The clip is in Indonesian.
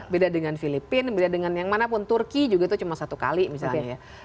beda dengan filipina beda dengan yang manapun turki juga itu cuma satu kali misalnya ya